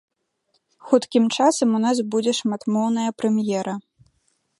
Хуткім часам у нас будзе шматмоўная прэм'ера.